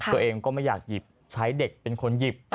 ตัวเองก็ไม่อยากหยิบใช้เด็กเป็นคนหยิบ